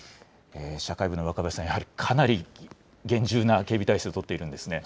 社会部の若林さん、かなり、厳重な警備態勢を取っているんですね。